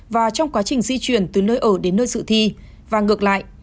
và trong quá trình di chuyển từ nơi ở đến nơi dự thi và ngược lại